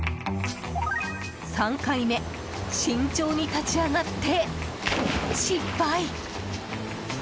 ３回目、慎重に立ち上がって。